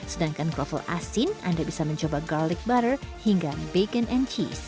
sedangkan kroffel asin anda bisa mencoba garlic butter hingga bacon and cheese